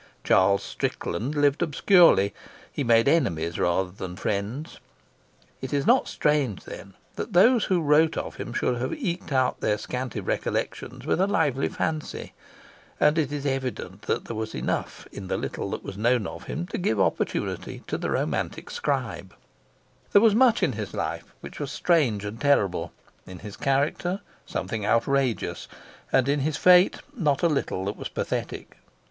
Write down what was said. Charles Strickland lived obscurely. He made enemies rather than friends. It is not strange, then, that those who wrote of him should have eked out their scanty recollections with a lively fancy, and it is evident that there was enough in the little that was known of him to give opportunity to the romantic scribe; there was much in his life which was strange and terrible, in his character something outrageous, and in his fate not a little that was pathetic.